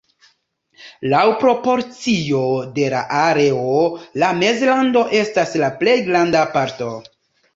Laŭ proporcio de la areo la Mezlando estas la plej granda parto.